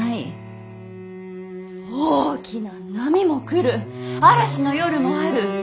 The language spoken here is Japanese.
大きな波も来る嵐の夜もある。